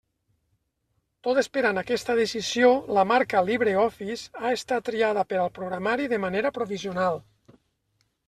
Tot esperant aquesta decisió, la marca “LibreOffice” ha estat triada per al programari de manera provisional.